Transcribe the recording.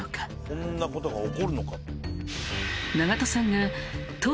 こんなことが起こるのか。